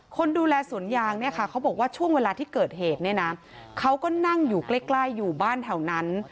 คนดูแลสวนยางเนี่ยค่ะเขาบอกว่าช่วงเวลาที่เกิดเหตุเนี่ยนะเขาก็นั่งอยู่ใกล้อยู่บ้านแถวนั้น